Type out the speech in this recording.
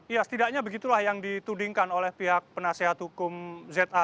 ya setidaknya begitulah yang ditudingkan oleh pihak penasehat hukum za